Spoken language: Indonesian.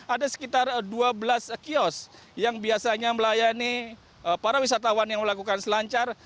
ada sekitar dua belas kios yang biasanya melayani para wisatawan yang melakukan selancar